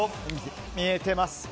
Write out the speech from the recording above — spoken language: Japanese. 見えてます。